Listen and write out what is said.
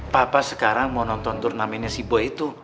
papa sekarang mau nonton turnamennya si bo itu